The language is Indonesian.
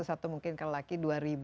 atau mungkin kalau laki dua ribu